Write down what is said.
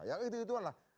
ya itu itu lah